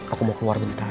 aku mau keluar bentar